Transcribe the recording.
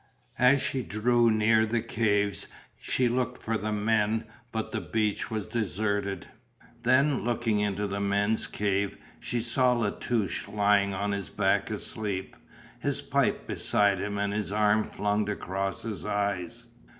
As she drew near the caves she looked for the men, but the beach was deserted. Then, looking into the men's cave, she saw La Touche lying on his back asleep, his pipe beside him and his arm flung across his eyes.